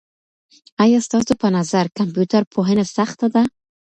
آیا ستاسو په نظر کمپيوټر پوهنه سخته ده؟